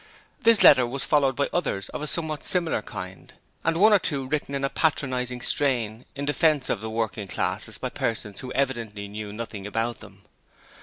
This letter was followed by others of a somewhat similar kind, and one or two written in a patronizing strain in defence of the working classes by persons who evidently knew nothing about them.